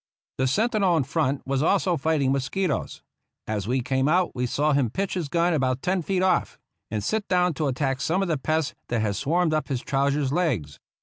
The sentinel in front was also fighting mosqui toes. As we came out we saw him pitch his gun about ten feet off, and sit down to attack some of the pests that had swarmed up his trousers' legs.